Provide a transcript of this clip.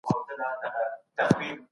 د وړتیا محدودیتونه باید په پام کې ونیول شي.